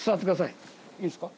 いいですか？